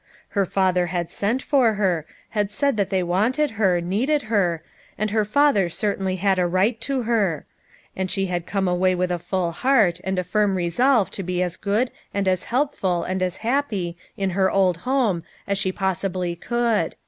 Her father had sent for her, had said that they wanted her, needed her, and her father cer tainly had a right to her; and she had come away with a full heart, and a firm resolve to be as good and as helpful and as happy in her old home as she possibly could.